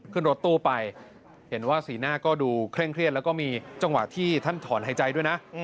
ขึ้นรถตู้ไปเห็นว่าสีหน้าก็ดูเคร่งเครียด